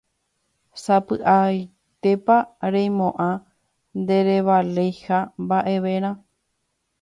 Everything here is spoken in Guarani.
Sapy'ántepa reimo'ã nderevaleiha mba'evére.